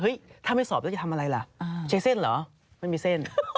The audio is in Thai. ถ้าไม่สอบแล้วจะทำอะไรล่ะใช้เส้นเหรอไม่มีเส้น